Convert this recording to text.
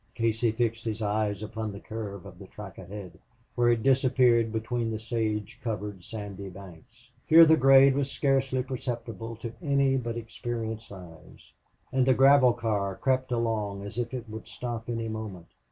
Casey fixed his eyes upon the curve of the track ahead where it disappeared between the sage covered sandy banks. Here the grade was scarcely perceptible to any but experienced eyes. And the gravel car crept along as if it would stop any moment.